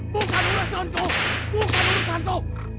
bukan urusan ku bukan urusan ku